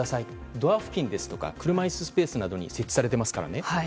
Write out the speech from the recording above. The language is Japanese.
ドア付近ですとか車椅子スペースなどに設置されていますからね。